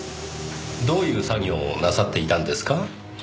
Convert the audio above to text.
どういう作業をなさっていたんですか？